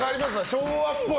昭和っぽい。